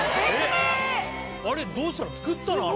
あれどうしたの？